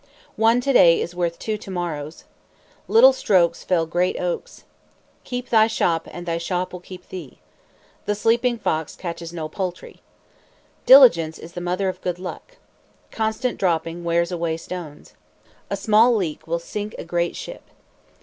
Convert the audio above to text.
"One to day is worth two to morrows." "Little strokes fell great oaks." "Keep thy shop and thy shop will keep thee." "The sleeping fox catches no poultry." "Diligence is the mother of good luck." "Constant dropping wears away stones." "A small leak will sink a great ship."